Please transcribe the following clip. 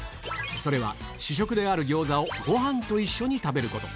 それは、主食である餃子をごはんと一緒に食べること。